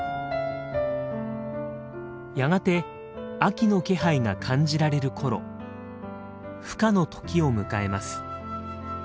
やがて秋の気配が感じられる頃ふ化の時を迎えます。